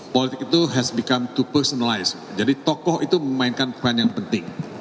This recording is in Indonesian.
politics itu has become too personalized jadi tokoh itu memainkan peran yang penting